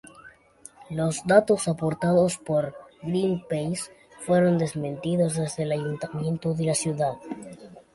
Los datos aportados por Greenpeace fueron desmentidos desde el ayuntamiento de la ciudad.